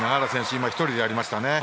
今１人でやりましたね。